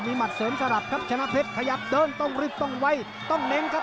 หัดเสริมสลับครับชนะเพชรขยับเดินต้องรีบต้องไว้ต้องเน้นครับ